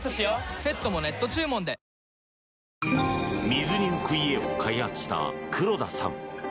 水に浮く家を開発した黒田さん。